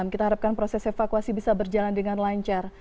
kita harapkan proses evakuasi bisa berjalan dengan lancar